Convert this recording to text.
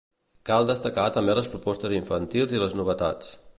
Cal destacar també les propostes infantils i les novetats